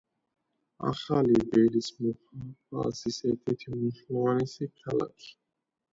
ახალი ველის მუჰაფაზის ერთ-ერთი უმნიშვნელოვანესი ქალაქი.